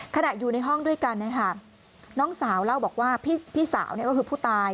ขณะอยู่ในห้องด้วยกันน้องสาวเล่าบอกว่าพี่สาวก็คือผู้ตาย